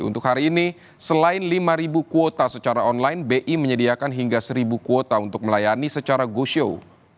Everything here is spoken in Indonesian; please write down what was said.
untuk hari ini selain lima kuota secara online bi menyediakan hingga seribu kuota untuk melayani secara go show